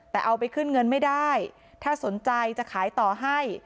แต่เอาไปขึ้นเงินไม่ได้ถ้าสนใจจะขายต่อให้